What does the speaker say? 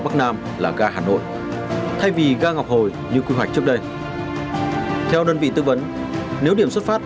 bắc nam là ga hà nội thay vì ga ngọc hồi như quy hoạch trước đây theo đơn vị tư vấn nếu điểm xuất phát